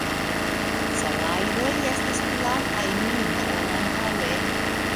Salajroj estas pli altaj nun ol antaŭe.